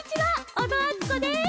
小野あつこです。